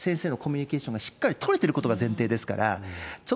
親と先生のコミュニケーションがしっかり取れてることが前提ですから。